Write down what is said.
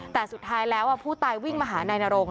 แต่สุดท้ายแล้วผู้ตายวิ่งมาหานายนรง